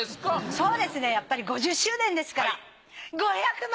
そうですねやっぱり５０周年ですから５００万！